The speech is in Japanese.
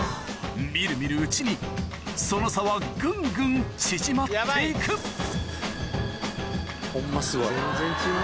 見る見るうちにその差はぐんぐん縮まっていくホンマすごい。